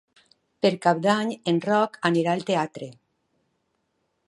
Per Cap d'Any en Roc anirà al teatre.